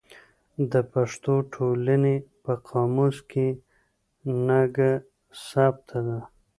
د پښتو ټولنې په قاموس کې نګه ثبت ده.